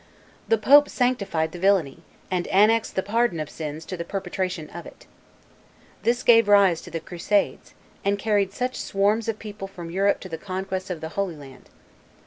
The Pope sanctified the villany, and annexed the pardon of sins to the perpetration of it. This gave rise to the Crusaders, and carried such swarms of people from Europe to the conquests of the Holy Land.